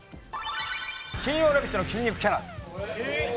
金曜「ラヴィット！」の筋肉キャラ。